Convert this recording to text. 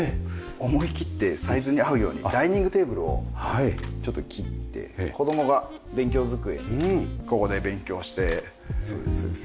思いきってサイズに合うようにダイニングテーブルをちょっと切って子供が勉強机にここで勉強をして。